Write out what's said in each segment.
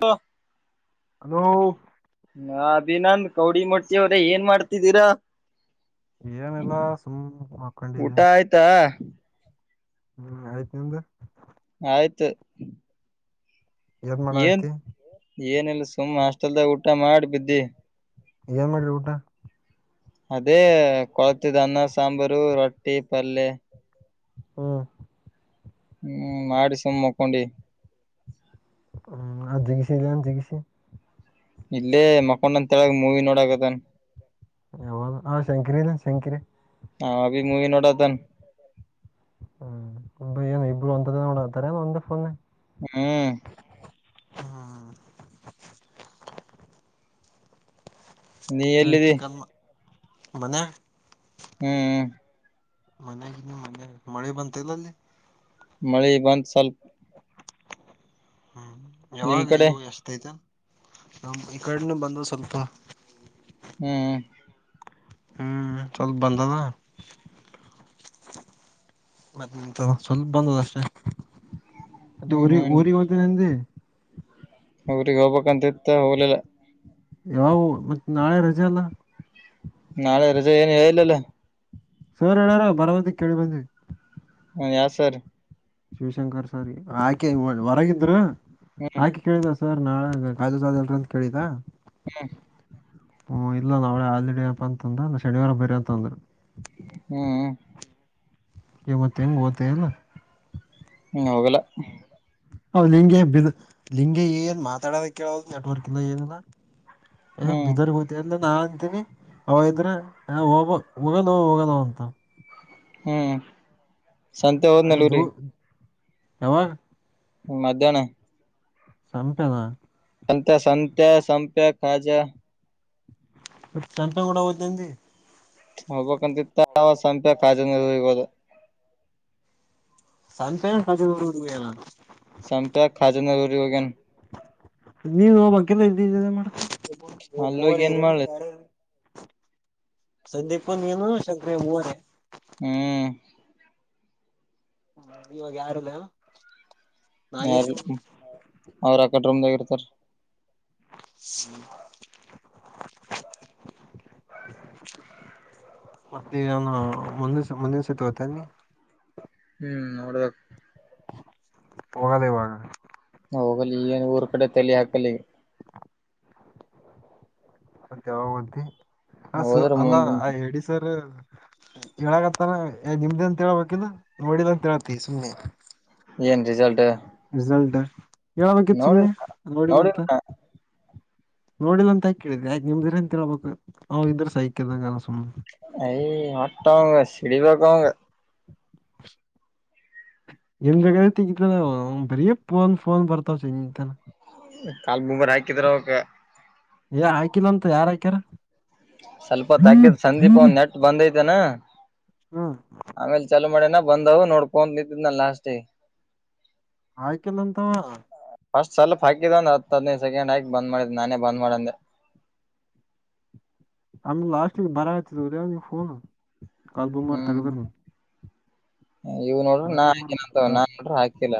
ತ ಹ ಹಾ ಅಭಿನನ್ ಕೌಡಿ ಮಡ್ತಿವ್ರ ಏನ್ ಮಾಡ್ತಿದ್ದೀರಾ ಏನೆಲ್ಲ ಸುಮ್ ಊಟ ಹಕೊಂಡಿದ್ದೆ ಆಯ್ತಾ ಹ್ಮ್ ಆಯ್ತ ಅಂದ ಆಯ್ತು ಮಾಡ ಏನ್ ಐತಿ ಏನಿಲ್ಲ ಸುಮ್ಮ್ ಹಾಸ್ಟೆಲ್ದಾಗ ಊಟ ಮಾಡಿ ಬಿದ್ದಿ ಏನ್ ಮಾಡ್ರರಿ ಊಟ ಅದೇ ಕೊಳತಿದ್ದ ಅನ್ನ ಸಾಂಬಾರು ರೊಟ್ಟಿ ಪಲ್ ಹ್ಮ್ ಹ್ಮ್ ಮಾಡಿ ಸುಮ್ ಮುಕ್ಕೊಂಡಿ ಹ್ಮ್ ಆ ಜಗಿಸಿ ಜನ್ ಜಿಗಿಸಿ ಇಲ್ಲೇ ಮಕೊಂಡಂತಳಗ ಮೂವಿ ನೋಡಕದನ್ ಹ ಶಂಕರಿ ಇಲ್ಲ ಶಂಕರಿ ಹಾ ಅ ಮೂವಿ ನೋಡ್ದನ್ ಹ್ಮ್ ಇಬ್ ಅಂದತರ ಒಂದಫೊ ಹ್ಮ ಹ್ಮ ನೀ ಎಲ್ಲದ ಮನೆ ಹ್ಮ್ ಮನೆಗ ಮನೆ ಮಳೆ ಬಂತ ಇಲ್ಲ ಅಲ್ಲಿ ಮಳಿ ಬಂದ ಸ್ವಲ್ಪ ಹಾ ನಿಮ್ ಯಾವಾಗ ಕಡೆ ಇಯ್ಯೋ ಎಷ್ಟತೆ ನಮ್ಮ ಈ ಕಡನ ಬಂದ ಸ್ವಲ್ಪ ಹ್ಮ್ ಹ್ಮ ಚಲ ಬಧದ ಮತ್ತೆಂತ ಸ್ವಲ್ಪ ಬಂದದಷ್ಟೆ ಮತ್ತೆ ಹ್ಮ್ ಊರಿ ಹ್ಮ್ ಊರಿಗೆ ಹೋತ ನೆ ಅವ್ರಗ್ ಹೋಗ್ಬೇಕಕ್ಂತ ಇತ್ತ ಹೋಗ್ಲಿಲ್ಲ ಯಾವು ಮತ್ತ ನಾಳೆ ರಜೆ ಅಲ್ಲ ನಾಳೆ ಎರಚಲ್ಲಲ್ಲ ಸೋರ ಹೇಳಾರ ಬರ ಬಂದಿ ಕೇಳಿ ಬಂದಿ ಹ ಯಾರ ಸರ್ ಶಿವಶಂಕರ್ ಸರ್ ಗೆ ಆಕೆ ಹೊರಗಿದ್ರರು ಹ್ಮ್ ಆಕೆ ಕೇಳಿದ ಸರ್ ನಾಳೆ ಕಾಜು ಸಾದ್ ಎಲ್ರ ಅಂತ ಕೇಳಿತಾ ಹ್ಮ ಹ್ಮ ಇಲ್ಲ ನಾಳೆ ಹಾಲಿಡೇ ಅಪ್ಪಾ ಅಂತಂದ್ರ ನಾ ಶನಿವಾರ ಬರ ಅಂತ ಅಂದ್ರ ಹ್ಮ ಇ ಮತ್ತೆ ಹೆಂಗೆ ಓತ್ತ ಅಲ್ಲ ಹ್ಮ ಹೋಗಲ ಹ ಲಿಂಗೆ ಬ ಲಿಂಗೆ ಏನ್ ಮಾತಾಡೋದ ಕೇಳದು ನೆಟ್ವರ್ಕ್ ಇಲ್ಲ ಏನಿಲ್ಲ ಎ ಹ್ಮ್ ಬೀದರ್ ಹೋತೆ ಇಲ್ಲ ನಾ ಅಂತೀನಿ ಅವ ಇದ್ರ ಹ ಹೋಗಲು ಹೋಗಲ್ಲ ಅಂತ ಹ್ಮ್ ಸಂತೆ ಹೋದ್ ಅದು ನಲೂರಿ ಯಾವಾಗ ಹ್ಮ ಮಧ್ಯಾಹ್ನ ಸಮಿಟದಾ ಸಂತ್ಯ ಸಂತ್ಯ ಸಂಪ್ಯಾಕಾಜ ಸಂತ್ಯಾನ ಕೂಡ ಹೋಯ್ತೆನಂದಿ ಹೋಗ್ಬಕ್ಂತ ಇತ್ತ ಅವ ಸಂಪೆ ಕಾಜ ನೀ ಹೊದ ಸಂತೆ ಕಾಜನ ಊರಿಗೆ ಹೋಗನ ಸಂಪ್ಯಾಕಾಜನ ಊರಿಗೆ ಹೋಗನ್ ನೀವ್ಹೋಬಕಲ್ಲ ಇದ ಇದ ಮಾಡವ ಅಲ್ಲೋಗಿ ಏನ್ ಮಾಡ್ಲಿ ಯಾರ ಸಂದೀಪ ನೀನು ಶಂಕ್ರಯ್ಯ ಮೂವರೇ ಹ್ಮ್ ಹ್ಮ ಇವಾಗ ಯಾರಲ್ಲ ಯಾರ ಅವ್ರ ಅಕಡ ರೂಮ್ದಾಗ ಇರ್ತಾರ ಹ್ಮ [unintelligible] ಮತ್ತೆ ಹೆಂಗೋ ಮುಂದಿನ್ ಸತಿ ಮುಂದಿನ ಸತಿ ಓದತಿನಿ ನಿನ್ ಹ್ಮ್ ನೋಡಬೇಕ ಹೋಗದೆ ಯಾವಾಗ ಹೋಗಲಿ ಈಏನು ಊರ್ ಕಡೆ ತಲಿ ಹಾಕಲ್ಲ ಈವಾಗ್ ಮತ್ತ ಯಾವಾಗಂತಿ ಹ ಸ ಹೋದ್ರ ಅಲ್ಲಾ ಮುಂದಿನ್ ಎಡಿಸರ್ ಹೇಳಗತ್ತಾರ ನಿಮ್ದ ಅಂತ ಹೆಳ್ಬೇಕಿಲ್ಲ ನೋಡಿದಂತಂತೇಳ್ತಿ ಸುಮ್ನೆ ಏನ್ ರಿಸಲ್ಟ್ ರಿಸಲ್ಟ್ ಹೇಳ್ಬೇಕಿತ್ತು ನೋಡಿಲ್ ಸುಮ್ನೆ ನೋಡಿನಂತ ನೋಡಿಲ್ಲ ನೋಡಿಲ್ಲ ಅಂತ ಆ ಕೇಳಿದ್ ಆಯ್ತ ನಿಮ್ದಿರ ಅಂತಬೇಕು ಅವ್ ಇದ್ರ ಸಹಕಿದಂಗಲ್ಲ ಸುಮ್ ಐ ವಟ್ಟ ಸಿಡಿ ಬಕ ಅವಂಗ ಏನ್ ಬೇಕಾಗಿದ್ದು ತೆಗಿತಾನ್ ಬರೇ ಫೋನ್ ಫೋನ್ ಬರ್ತಾವ ಚಂಜಿತನ ಕಾಲ್ ಮುಂಬರ್ ಹಾಕಿದ್ರ ಅವಕ ಏ ಹಾಕಿಲ್ಲಂತ ಯಾರ್ ಹಾಕ್ಯಾರ ಸ್ವಲ್ಪ ತಗದ ಸಂದೀಪ ಒ ಹ್ಮ್ ನೆಟ್ ಬಂದೈತನಾ ಆಮೇಲೆ ಚಲುೂ ಮಾಡ್ಯನ ಬಂದವು ನೋಡ್ಕೊ ನಿಂತಿದ್ನ ಲಾಸ್ಟ್ಗೇ ಆಯ್ಕಲ್ಲಂತವ ಫಸ್ಟ್ ಸೆಲ್ಫ್ ಹಾಕಿದ ಒಂದ ಹತ್ತ ಹದಿನೈದ ಸೆಕೆಂಡ್ ಹಾಕಿದ ಬಂದ್ ಮಾಡಿದ ನಾನೇ ಬಂದ್ ಮಾಡಂದೆ ಹ ಲಾಸ್ಟ್ ಬರತದ ನೀವುಫೋನು ಕಲ್ ಬೊಂಬಾರ ತಗದರ ನೀವು ಇವು ನೋಡ್ರಿ ನಾ ಹಾಕಿನ ಅಂತವ ಮಾಡ ನಾನ್ ನೋಡ್ರಿ ಹಾಕಿಲ್ಲ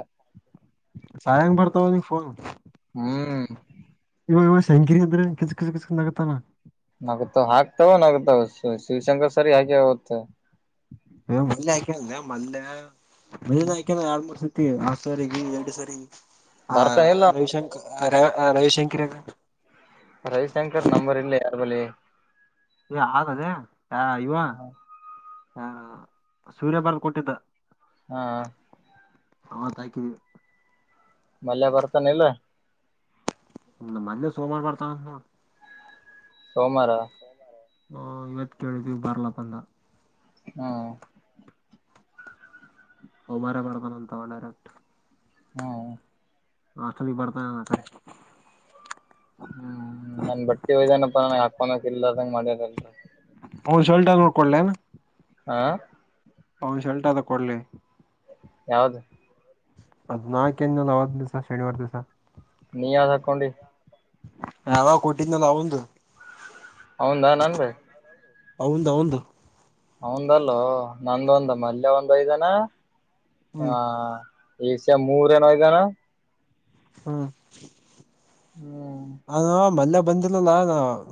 ಸಾಯಂಗ ಬರ್ತಾವ ಅವನಿಗೆ ಫೋನ್ ಹ್ಮ್ ಇವ ಶಂಕರಿ ಇದ್ರ ಕಿಸ ಕಿಸ ಕಿಸಕ್ ನಗುತಾನ ನಗತಾವ ಹಾಕ್ತಾವ ನಗತಾವ ಶಿವಶಂಕರ್ ಸರ್ ಆಗೆ ಹೋತು ಹ ಮಲ್ಲೆ ಹಾಕ ಮಲ್ಲೆ ಮ ಹಾಕ ಆ ಆ ಸ ಎರಡು ಸರಿ ಆ ಬರ್ತಾನಿಲ್ಲ ರವಿಶಂಕರ್ ರ ರವಿಶಂಕರ ಅಲ ಏ ಆದೇ ಆ ಇವ ಹಾ ಸೂರ್ಯ ಬಾರಲ್ ಕೊಟ್ಟಿದ್ದ ಹಾ ಹ ತಾಕ ಮಲ್ಯ ಬರ್ತಾನ ಇಲ್ಲ ಮೊನ್ನೆ ಸೋಮವಾರು ಬರ್ತಾವ ನೋ ಸೋಮಾರ ಹ ಇವತ್ ಕೇಳಿದ್ವಿ ಬರ್ಲ ಬಂದ ಹಾ ಹ ಮಾರ ಮಾಡತಾನ ಅಂತಾವ ಡೈರೆಕ್ಟ್ ಹಾ ಆಷ್ಟಲಿ ಬರ್ತತ್ತ ಹ್ಮ್ ನನ್ ಬಟ್ಟಿ ಒಯ್ದಾನಪ್ಪ ಹಾಕೋನಕ್ ಇಲ್ಲದಂಗ ಮಾಡ್ಯಾರಲ್ರ ಟ ನೋಡ್ಕೊಳ್ಳೇ ಹಾ ಅವನ್ ಶಲ್ಟ ಅದ ಕೊಡ್ಲಿ ಯಾವ್ದ ಅದ್ ನಾಲ್ಕು ಏನಲ್ ಅವತ್ತು ದಿವ್ಸ ಶನಿವಾರ ದಿವಸ ನೀ ಯಾವ್ದ್ ಹಾಕೊಂಡಿ ನಾವ ಕುಟಿನ ಲವನ್ದು ಹೌದಾ ನನ್ ರೇ ಅವಂದು ಅವಂದು ಹಂದಲ್ಲೋ ನಂದ ಒಂದ ಮಲ್ಲಯ ಒಂದ್ ಐದನ ಹ್ಮ್ ಏಷ್ಯ ಮೂರ ಏನೋ ಇದ್ದಾನ ಹ್ಮ ಹ್ಮ್ ಅದ ಮಲ್ಲ [inaudible] ಬಂದಿಲ್ಲಲ್ಲಾ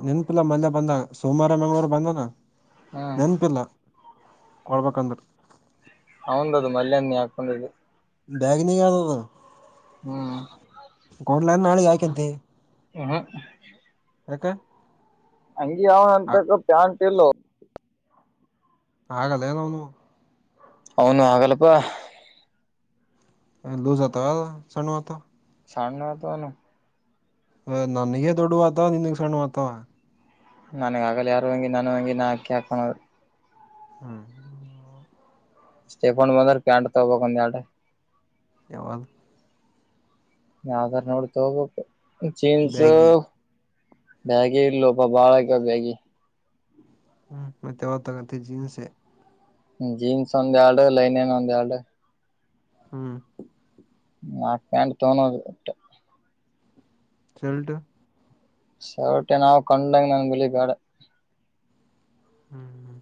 ನೆನ್ಪಿಲ್ಲ ಮಂದೆ ಬಂದ ಸೋಮವಾರ ಮಂಗ್ಗಳವರು ಬಂದನ ಹ್ಮ್ ನೆನಪಿಲ್ಲ ಕೊಳ್ಬೇಕಂದ್ರೆ ಹೌಂದ ಅದು ಮಲ್ಲಯ ನೀ ಹಾಕೊಂಡು ಬ್ಯಾಗ ನೀ ಯದದ ಹ್ಮ್ ನಳೆ ಯಕಿದ್ದ ಉ ಇದಕ್ಕೆ ಹಂಗಿ ಯಾವ ಅಂತಕ್ಕ ಪ್ಯಾಂಟ್ ಇಲ್ಲೋ ಹಾ ಕಲ್ಲಲ್ಲ ಒನು ಅವೌನು ಹಾಗಲ್ಲಪ್ಪಾ ಲೋ ಸತ್ತರೆ ಸಣವತ ಶಂಡ ನತನು ನನಗ ದೊಡ್ ಮಾತವ ನಿನ್ಗ್ ಸಣ್ಣ ಮಾತವ ನನ್ಗ ಆಗಲ್ಲ ಯಾರು ಹಂಗಿ ನನ್ ಹಂಗಿ ನಾ ಕೇಳ್ಕಣದು ಹ್ಮ್ ಸ್ಟೇಫನ್ ಬಂದರ್ ಕ್ಯಾಂಟ್ ತಗಬೇಕಂದು ಆಡೆ ಯವಲ್ ಯಾವದರ ನೋಡ್ತ ಜೀನ್ಸ್ ಬ್ಯಾಗಿ ಬೆಳಗಿ ಇಲ್ಲೋ ಪಾ ಬಾಳ್ ಆಗ್ಯಾವ ಬ್ಯಾಗಿ ಹ್ಮ ಮತ್ತೆ ಯಾವಾಗ ತಗಡಿ ಜೀನ್ಸ್ ಜೀನ್ಸ್ ಒಂದ ಎರಡು ಲೈನನ್ ಒಂದ ಎರಡು ಹ್ಮ್ ಆಕಂಡ [inaudible] ಶೆಲ್ಟ ಸೌಟೆ ನಾವು ಕಂಡಾಗ ನನ್ ಬಿಳ ಬೇಡ ಹ್ಮ್ ಹ್ಮ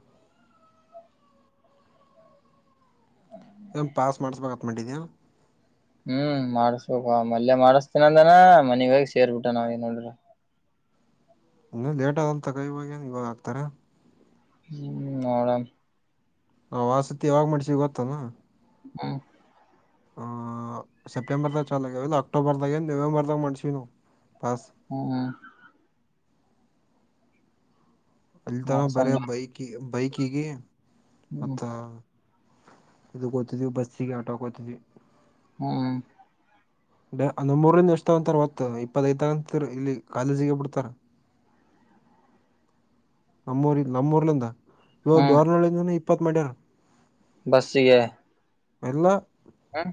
ಏನ್ ಪಾಸ್ ಮಾಡ್ಸ್ಬೇಕ ಅಂತ ಮಾಡಿದಿ ಏನ್ ಹ್ಮ್ ಮಾಡಸ್ಬೇಕು ಮಲ್ಯ ಮಾಡಿಸತೀನ ಅಂದನಾ ಮನೀಗ ಹೋಗಿ ಸೇರ್ಬಿಟ ನಾವ ಈಗ ನೋಡ್ರ ಇ ಲೇಟ್ ಆಗಂತ ತಕ ಇವಾಗೇಏ ಇವಾಗ ಆಗ್ತಾರ ಹ್ಮ್ ಅವರ ನಾ ಆಸತಿ ಯಾವಾಗ್ ಮಾಡಡ್ಸಿ ಗೊತ್ತಾನ ಹ್ಮ್ ಆ ಸೆಪ್ಟೆಂಬರ್ದಾಗ ಚಾಲಾಗಿಯ ಇಲ್ಲ ಅಕ್ಟೋಬರ್ದಾಗ ನವೆಂಬರ್ದಾಗ ಮಾಡ್ಸಿವಿ ನಾವು ಪಾಸ್ ಹ್ಮ್ ಹ್ಮ್ ಅಲ್ಲಿ ತಾನ ಬರ ಮಾಡಸಣ ಬೈಕ್ ಬೈಕಿಗೆ ಹ್ಮ್ ಮತ್ತ ಇದು ಗೊತ್ತಿದವ ಬಸ್ಸಿಗೆ ಆಟೋ ಕೋತಿದ್ವಿ ಹ್ಮ್ ನಮ್ ಮೂರಂದ ಇಷ್ಟ ತೊಂತಾರೆ ಹೊತ್ತು ಇಪ್ಪತ್ತೈಐ ತ ಅಂತ ಇಲ್ಲಿ ಕಾಲೇಜಿಗೆ ಬಿಡ್ತಾರ [unintelligible] ನಮ್ಮೂರಿ ನಮ್ಮೂರ್ಲಿಂದ ಇವ ಹ್ಮ್ ದೋರ್ನಳ್ಳಿಂದ ಇಪ್ಪತ್ ಮಡ್ಯಾರ ಬಸ್ಸಿಗೆ ಇಲ್ಲಾ ಹೂ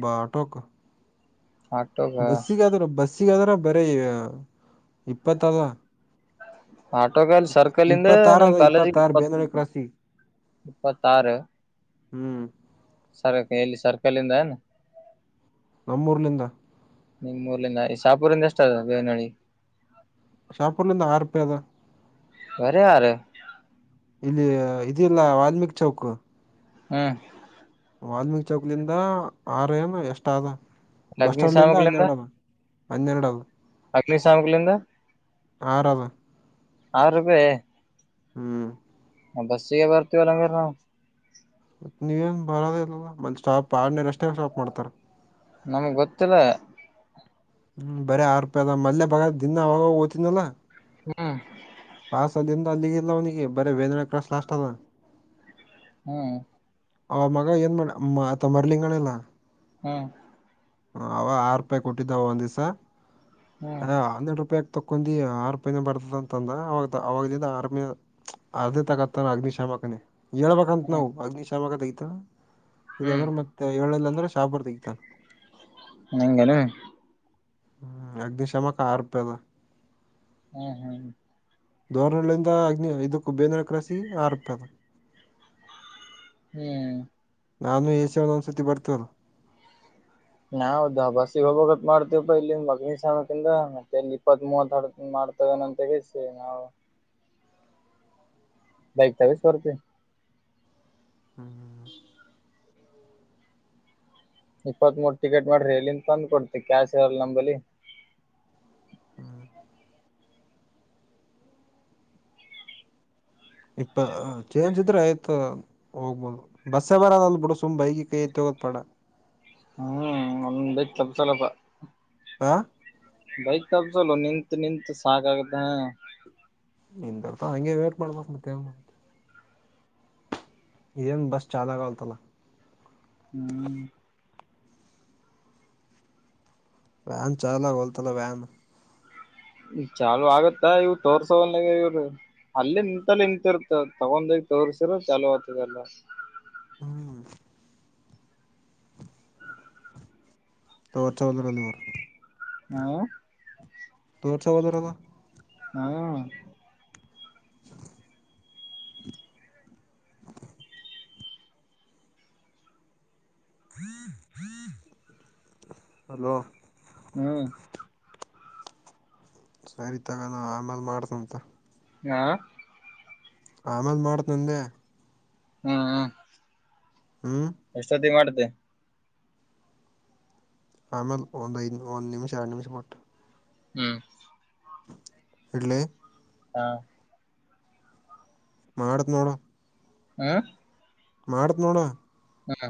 ಬಾ ಆಟೋ ಗ ಆಟೋಗ ಬಸ್ಸಿಗಾದ್ರ ಬಸ್ಸಿಗಾದ್ರ ಬರೀ ಇಪ್ಪತ್ತ ಅವ ಆಟೋಗಲ್ಲಿ ಸರ್ಕಲ್ಂದ ನಮ್ ಅದ ಕಾಲೇಜಿಗೆ ಇಪ್ಪತ್ತಾರ ಇಪ್ಪತ್ ಬೇಂದ್ರೆ ಕ್ರಾಸಿಗೆ ಇಪ್ಪತಾರ್ ಹ್ಮ್ ಎಲ್ಲಿ ಇಲ್ಲಿ ಸರ್ಕಲ್ ಇಂದ ಏನು ನಮ್ಮೂರ್ಲಿಂದ ನಿಮ್ ಮುರುಲಿಂದಾ ಈ ಶಪೂರಿಂದ ಎಷ್ಟ ಅದ ದೇವನಳ್ಳಿ ಶಾಪೂರ್ಲಿಿಂದ ಆರು ರೂಪಾಯಾದಾ ಬರೇ ಆರ್ ಇದು ಇದಿಲ್ಲ ವಾಲ್ಮೀಕಿ ಚೌಕ್ ಹ್ಮ ವಾಲ್ಮೀಕಿ ಚೌಕ್ಲಂದ ಆರ ಏನ್ ಎಷ್ಟ ಆದ ಬಸ್ಸ್ಟಾಂಡ್ ಲಿಂಧ ಅಗ್ನಿಶಾಮಕ್ಲಿಂದ ಹನ್ನೆರಡು ಅದ ಹನ್ನೆರಡ ಅಗ್ನಿಶಾಮಕ್ಲಿಂದ ಆರ ಅದ ಆರು ರೂಪಾಯಿ ಹ್ಮ್ ಬಸಿಗ್ ಬರ್ತಿವಾಲ ಇಲ್ಲಾ ಅಂದ್ರ ನಾವ್ ಮ ನೀವೇಏನ್ ಬರೋದ ಇಲ್ಲ ಮ ಸ್ಟಾಪ್ ಆರನೇಷ್ಟೇ ಸ್ಟಾಪ್ ಮಾಡ್ತಾರ ನಮ್ಗ್ ಗೊತ್ತಿಲ್ಲ ಹ್ಮ್ ಬರಿ ಆರು ರೂಪಾಯಿ ಅದ ಮನೆ ಬಾಗ ದಿನ ಅವಾಗ ಅವಾಗ ಹೊತಿಡ್ಣಿ ಅಲಾ ಹ್ಮ ಕ ಅಲ್ಲಿಂದ ಅಲ್ಲಿಲ್ಲ ಬರೇ ವೇದಾನೆ ಕ್ರಾಸ ಲಾಸ್ಟ್ ಆದ ಹ್ಮ್ ಆ ಮಗ ಏನ್ ಮಾಡ ಆತ ಮರಲಿಂಗನ ಎಲ್ಲ ಹ್ಮ ಹ ಅವ ಆರು ರೂಪಾಯಿ ಕೊಟ್ಟಿದ್ದಾವ ಒಂದ್ ದಿವಸ ಹ್ಮ್ ಹನ್ನೆರಡು ರೂಪಾಯಿ ತಕೊಂಡಿ ಆರುೂಪಾಯಿನ ಬರ್ತದ ಅಂತಂದ ಅವಾಗಲಿದ್ದ ಆರಮೇ ಅರ್ಧೇ ತಗತ್ತಾನ ಅಗ್ನಿಶಾಮಕನೇ ಹೇಳ್ಬೇಕಂತ ಹ್ಮ್ ನಾವು ಅಗ್ನಿಶ ಶಾಮಗ್ ತೆಗತ ಇಲ್ಲ ಹ್ಮ್ ಅಂದ್ರೆ ಮತ್ತೆ ಏಳಲ್ಲ ಅಂದ್ರೆ ಶಾಪರ್ ತೆಗತಾರ ನಿಂಗಲು ಹ್ಮ ಅಗ ದ ಶಷಮಕ ಆ ರಪದ ಹ್ಮ್ ಹ್ಮ್ ಧೋರ್ಣಗಳಿಂದ ಅಗ್ನಿ ಇದಕ್ಕೂ ಬೇಂದಿನ ಕ್ರಾಸಿ ಆರಪ ಅದ ಹ್ಮ್ ನಾನು ಎಸ ಒಂದ ಒಂದ್ಸತಿ ಬರ್ತವರು ನಾದ ಬಸಿಗೆ ಹೋಗಬತ್ ಮಾಡ್ತವಪ್ಪ ಇಲ್ಲಿ ಮಗನಿ ಸಕಿಂದ ಮತ್ತೆ ಇಪ್ಪತ್ ಮೂವತ್ ಮಾಡ್ತವೇನಂತಿಸಿ ನಾವು ಬೈಕ್ ತಾವ ಸ್ವ ರಪ ಹ್ಮ್ ಇಪ್ಪತ್ ಮೂರು ಟಿಕೆಟ್ ಮಾಡ್ರಿ ಎಲ್ಲಿಂದ ತಂದ್ ಕೊಡ್ತಿ ಕ್ಯಾಶ್ ಇಲ್ಲ ನಂಬಲ್ಲಿ ಹ್ಮ್ ಇಪ್ಪ ಚೇಂಜ್ ಇದ್ರೆ ಆಯ್ತ ಹೋಗ್ಬೋದು ಬಸ್ಸ ಬರದ ಅಲ್ ಬಿಡ ಸುಮ್ಗಿ ಕೈ ಐತ್ ತಗೋತ್ ಬೇಡ ಹ ಹ್ಮ್ ಒಂದ್ ಬೈಕ್ ತಪ್ತಲಪ್ಪ ಹಾ ಬೈಕ್ ತಬ್ಸಲ ನಿಂತ ನಿಂತು ಸಾಕ ಆಗತ್ತ ಇತ ಅಂಗೇ ವೇರ್ ಮಾಡ ಮಾಸೆ ಇದೇನು ಬಸ್ ಚಾಲಾ ಕಲ್ತಲ ಹ್ಮ್ ವ್ಯಾನ್ ಚಾಲಲಬೋಲ್ತಲ್ಲ ವ್ಯಾನ್ ಚಾಲ ಆಗತ್ತ ಇವ್ ತೋರ್ಸೋವನ್ಗ ಇವ್ರ ಅಲ್ಲೇ ನಿಂತಲ್ಲ ನಿಂತಿರುತ್ತ ತಗೊಂಡ ತೋರ್ಸಿರ ಚಲೋ ಆತದೆಲ್ಲ ಹ್ಮ್ ತೋರ್ ಚ ಒಂದರ ದವರು ಹಾ ತೋರ್ಸ ಬದುರದ ಹಾ ಹಲೋ ಹ್ಮ್ ಸರಿ ತಗಲ್ಲ ಆಮೇಲ್ ಮಾಡ್ತಂತ ಹ ಆಮೇಲ್ ಮಾಡತ್ ನಂದೆ ಹ್ಮ್ ಹ್ಮ್ ಎಷ್ಟೊತ್ತಿಗೆ ಮಾಡ್ದ ಆಮೇಲೆ ಒಂದ ಐದು ಒಂದು ನಿಮಿಷ ಎರಡು ನಿಮಿಷ ಪಟ್ಟು ಹ್ಮ್ ಇಡ್ಲಿ ಹಾ ಮಾಡತ್ನೋಡೋ ಹ ಮಾಡತ್ ನೋಡ ಹಾ